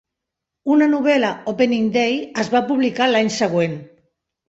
Una novel·la, "Opening Day", es va publicar l'any següent.